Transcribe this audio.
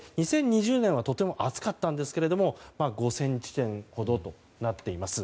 ２０２０年はとても暑かったんですけど５０００地点ほどとなっています。